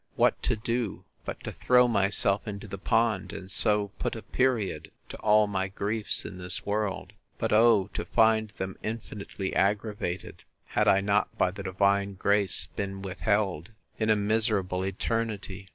—What to do, but to throw myself into the pond, and so put a period to all my griefs in this world!—But, O! to find them infinitely aggravated (had I not, by the divine grace, been withheld) in a miserable eternity!